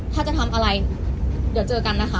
ถ้าจะทำอะไรเดี๋ยวเจอกันนะคะ